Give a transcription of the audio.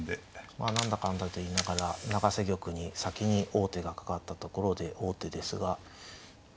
まあ何だかんだと言いながら永瀬玉に先に王手がかかったところで王手ですが。